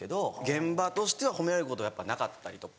現場としては褒められることやっぱなかったりとか。